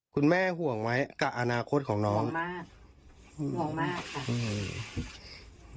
คุณแม่ห่วงไหมกับอนาคตของน้องห่วงมากห่วงมากค่ะ